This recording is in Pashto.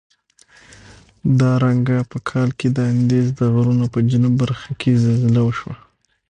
درانګه په کال کې د اندیز د غرونو په جنوب برخه کې زلزله وشوه.